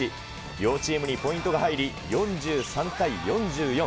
両チームにポイントが入り、４３対４４。